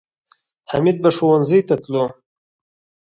حمید به ښوونځي ته تلو